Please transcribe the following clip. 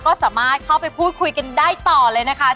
ก็สามารถเข้าไปพูดคุยกันได้ต่อเลยนะคะ